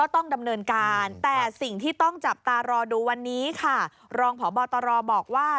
ตารอดูวันนี้ค่ะรองผ่อบอตรอบอกว่า